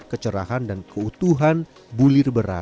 kecerahan dan keutuhan bulir beras